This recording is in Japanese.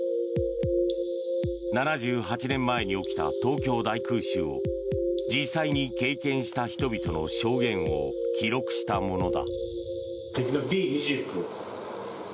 ７８年前に起きた東京大空襲を実際に経験した人々の証言を記録したものだ。